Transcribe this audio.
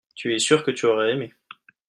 tu es sûr que tu aurais aimé.